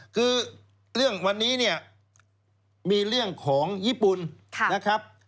คือเรื่องวันนี้เนี่ยมีเรื่องของญี่ปุ่นนะครับ